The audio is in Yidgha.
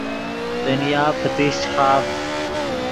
دنیا پتیشچ خاڤد